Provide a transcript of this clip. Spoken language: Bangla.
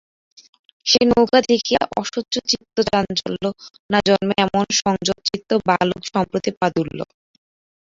সে নৌকা দেখিয়া অসহ্য চিত্তচাঞ্চল্য না জন্মে এমন সংযতচিত্ত বালক সম্প্রতি পাওয়া দুর্লভ।